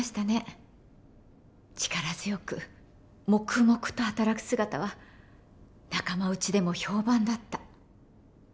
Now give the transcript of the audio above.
力強く黙々と働く姿は仲間うちでも評判だった。